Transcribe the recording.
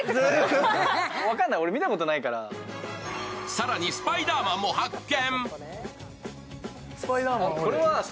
更にスパイダーマンも発見。